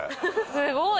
すごい。